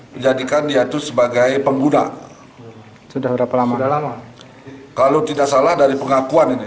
menjadikan yaitu sebagai pengguna sudah berapa lama dalam kalau tidak salah dari pengakuan ini